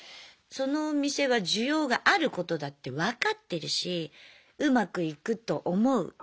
そのお店は需要があることだって分かってるしうまくいくと思う。